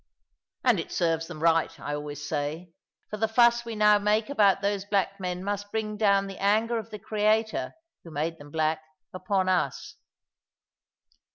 And it serves them right, I always say; for the fuss that we now make about those black men must bring down the anger of the Creator, who made them black, upon us.